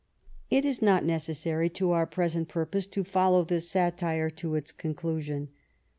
It is not necessary to our present purpose to follow this satire to its conclusion.